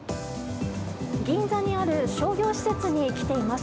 銀座にある商業施設に来ています。